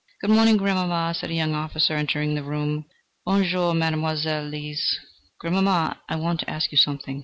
"Good morning, grandmamma," said a young officer, entering the room. "Bonjour, Mademoiselle Lise. Grandmamma, I want to ask you something."